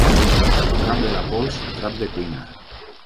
Drap de la pols, drap de cuina.